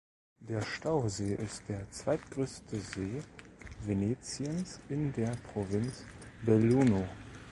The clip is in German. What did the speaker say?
Der Stausee ist der zweitgrößte See Venetiens in der Provinz Belluno.